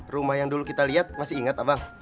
rumah yang dulu kita lihat masih ingat abang